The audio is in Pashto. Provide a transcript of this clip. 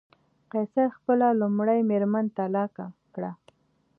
قیصر خپله لومړۍ مېرمن طلاق کړه.